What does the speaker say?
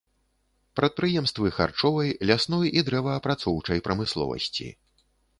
Прадпрыемствы харчовай, лясной і дрэваапрацоўчай прамысловасці.